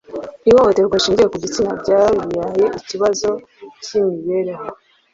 Ihohoterwa rishingiye ku gitsina ryabaye ikibazo cyimibereho.